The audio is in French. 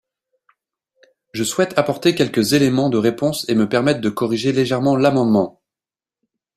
Je souhaite apporter quelques éléments de réponse et me permettre de corriger légèrement l’amendement.